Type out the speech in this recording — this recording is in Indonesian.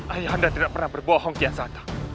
ayah anda tidak pernah berbohong kian santa